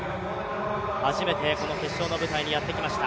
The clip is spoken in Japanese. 初めて、この決勝の舞台にやってきました。